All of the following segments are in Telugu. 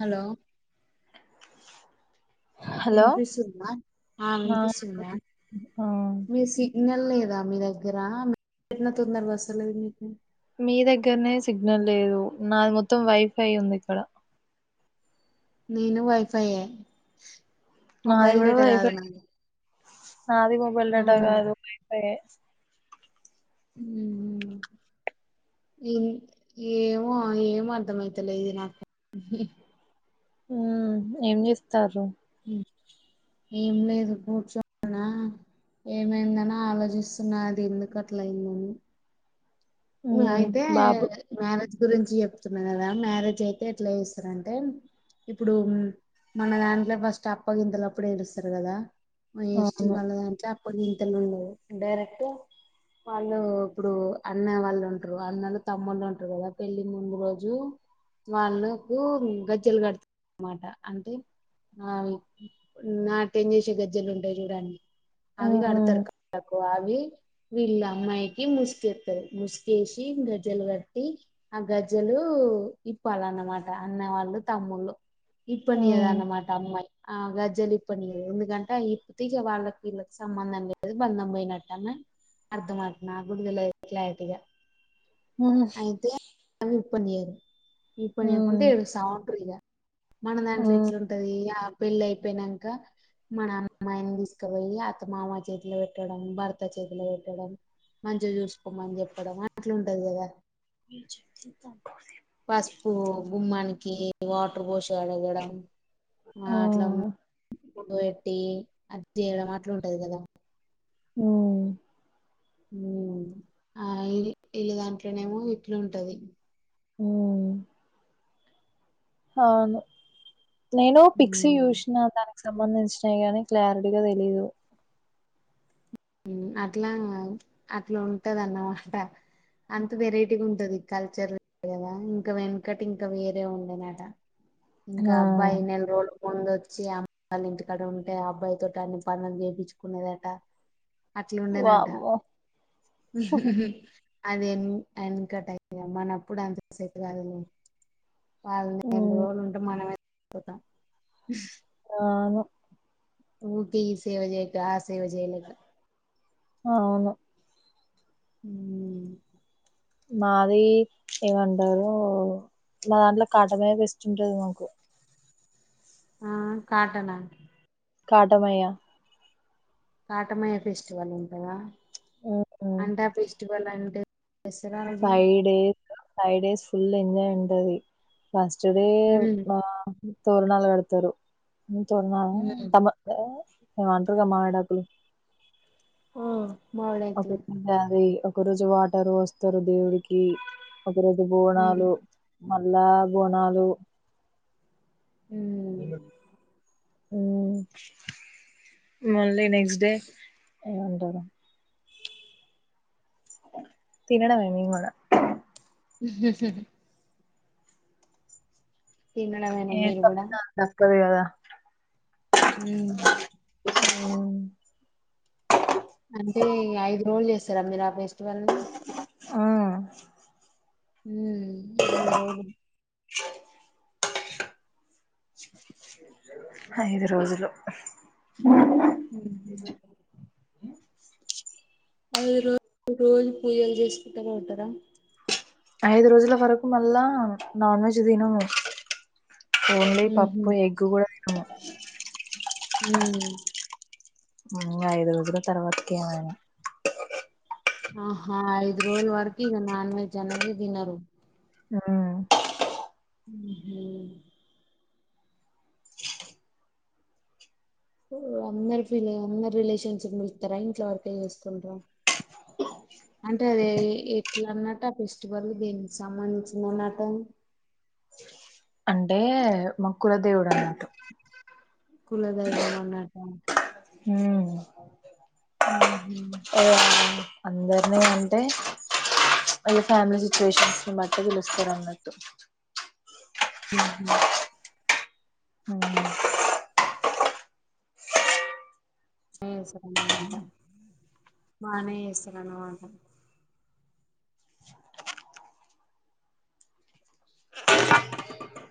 హలో హలో ఆ వినిపిస్తుందా ఆ మీ సిగ్నల్ లేద్ దా మి దగ్గర ఐనా తొందరగొస్సలేదు మీకి మీ దగ్గరనే సిగ్నల్ లేదు నాది మొత్తం వైఫై ఉంది ఇక్కడ నేను వైఫై ఏ నాది మొబైల్ డేటా కాదు నాది అది మొబైల్ డేటా అవునా కాదు వైఫై ఏ మ్మ్ మ్ ఏమో ఏం అర్థ అవుతలేది నాకు హ ఏం చేస్తారు ఏం లేదు కూర్చోన్నా ఏమైందని ఆలోచిస్తున్నా అది ఎందుకు అట్లయిందని మ్మ్ ఉమ్ అయితే బాబు మ్యారేజ్ గురించి చెప్తున్నా కదా మ్యారేజ్ అయితే ఎట్లా చేస్తార అంటే ఇప్పుడు మన దాంట్లో ఫస్ట్ అప్పగింతలప్పుడు ఏడుస్తారు కదా మ ఎస్టీ అవును వాళ్ల దాంట్ల కొన్ని ఇంతలు ఉండ డైరెక్ట్ వాళ్ళు ఇప్పుడు అన్న వాళ్ళ అ తమ్ముళ్ళు ఉంటారు కదా పెళ్ళలి ముందు రోజు వాళ్ళకు గజ్జలు కడతారు అన్నమాట అంటేఅవి నాట్యం ఏం చేసే గజ్జలు ఉంటాయి చూడండి అవి కడతారు ఉమ్ కాళ్ళకు అవి వీళ్ళు అమ్మాయికి ముసుకేత్తరు ము చేసి గజ్జలు కట్టి ఆ గజ్జలు ఇప్పాలన్నమాట అన్న వాళ్ళు, తమ్ముళ్ళు. ఇప్పనిద అన్నమాట అమ్మాయ్ ఆ గజ్జలిప్పనీదు ఎందుకంటే ఇ ప్పీకి వాళ్ళకి వీళ్ళకి సంబంధం లేదు బంధం పోయినట్టన్న అర్థమ నా కూడా తెల్వదు క్లారిటీగా, ఉమ్ అయితే అ పన్నీరు ఈ పనియాకుంట ఏడుస్తా ఉంటారు ఇగ మన దాంట్లో ఎట్లుంటది ఆ పెళ్లి అయిపోయినాక మన అమ్మాయిని తీసుకబోయ్యి అత్త మామ చేతిలో పెట్టడం భర్త చేతిలో పెట్టడం మంచిగా చూసుగోమని చెప్పడం అట్లుంటది కదా త పసుపు గుమ్మానికి వాటర్ బోష అడగడం ఆ అట్లా పడు పెట్టి అది చేయడం అట్లా ఉంటది కదా అ ఆ వీల్లు దాంట్లోనేమో ఇట్లు ఉంటది అవు అవును నేను పిక్స్ ఉమ్. చూసిన దానికి సంబంధించి ప్ర క్లారిటీగా తెలిదు ఉ అట్లా అట్లా ఉంటదన్నమాట అంత వెరైటీగా ఉంటది కల్చర్ లేదు కదా ఇంక వెనుకటి ఇంకా వేరే ఉండేనట ఇంకా ఆ అబ్బాయి నెల రోలు ముందు వచ్చి అమ్మళ్ళ ఇంటికాడ ఉంటే అబ్బాయి తోటి అన్ని పనులు చేపించుకునేదట అట్లా ఉండేనంట వామ్మో అది ఎ ఎంకటయి మన అప్పుడు అంతసేట్ కాదని వాళ్ ఎ ఉమ్ రోజులు ఉంటే మనమ పోతా ఆవును ఓకే ఈ సేవ చేయక ఆ సేవ చేయలేక అవును ఊ మాది ఏమంటారు మా దాంట్లో కటమే బస్ట్ ఉంటది మాకు ఆ కాటనా కాటమయ కాటమయ ఫెస్టివల్ ఉంటదా అంటే ఫస్టివల్ అంటే దసరా రోజు ఫైడేస్ ఫైడేస్ ఫుల్ ఎంజాయ్ ఉంటది ఫస్ట్ ఇచ్చడే ఉమ్ ఆ తోరణాలు పెడతారు నిజమా చా ఉమ్ తమ ఏేమ అంటరుగా మావిడాకులు ఓ ఓకే మామిడాకులు ఉందా అది ఒక రోజు వాటర్ వస్తారు దేవుడికి ఈ ఒక రోజు ఉమ్ బోనాలు మ ఎలా గొనాలు ఉమ్ ఉన్నన్ ఊ మళ్ళీ నెక్స్ట్ డే ఏమంటారు తిినడమె మేమ్గూడా హు.. హు.. హుమ్ తినడమేనా ఏ మీరు తప్పు కూడా నాకుదప్పదు కదా డప్ హ్మ్మ్ అంటే ఈ ఐదు రోజులు చేస్త సరే వేరే ఆఫిస్ వన్ ఆ ఉమ్ ఐదు రోజులు స ఐదు రోజులు ఓఓ ఉ అది రోజ రోజు పూజలు చేసుకుంటనే ఉంటారా ఐదు రోజుల వరకు అల్ల నాన్ వెెజ్ తిన ఓన్లీ ఉహు పప్పు ఎగ్ కూడా ఉమ్ ఉ ఐదు రోజుల తర్వాతక ఏమైనా ఆహా ఐదు రోజువరకి నాన్ వెజ్ అనేదిే దినరు ఆ ఊఉ అందరు ఫీలింగ్ అందరు రిలేషన్షప్ మితారా ఇంట్ల వరకే చేస్తుంటారు అంటే అద ఎట్లా అన్నట్ ఆ ఫెస్టివల్ దేనికి సంబంధించింద అన్నట అంటే మక్కుల కులధైవమనట హ్మ్ ము ము అందర్నీ అంటే ఫ్యామిలీ సిచువేషన్ ని బట్టి పిలుస్తారు అన్నట్టు ఉహు హ సరమాంట మనేే ఏసరనుమాంట ఏంచేయాలి చెప్పు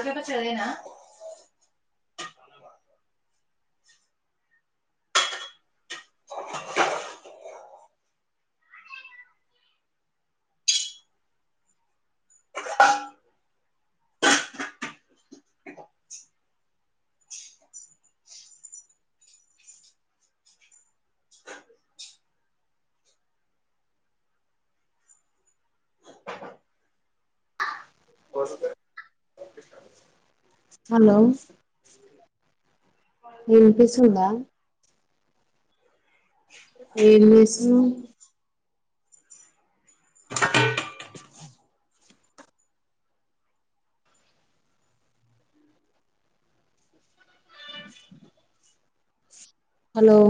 చింతకాయ పచ్చడి ఏనా హలో ఏనుపిస్తుందా ఏంచేస్తునావ హలో